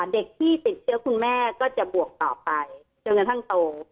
เด็กที่ติดเชื้อคุณแม่ก็จะบวกต่อไปจนกระทั่งโต